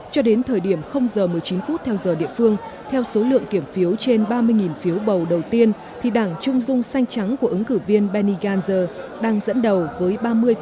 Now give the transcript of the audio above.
cho đến thời điểm giờ một mươi chín phút theo giờ địa phương theo số lượng kiểm phiếu trên ba mươi phiếu bầu đầu tiên thì đảng trung dung xanh trắng của ứng cử viên benny gantz đang dẫn đầu với ba mươi